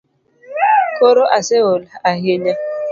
Koro ase ol hahinya .